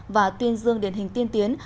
và tuyên dương điển hình tiên tiến